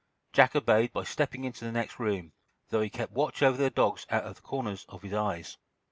Jack obeyed by stepping into the next room, though he kept watch over the dogs out of the corners of his eyes.